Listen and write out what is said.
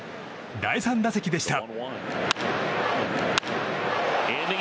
第３打席でした。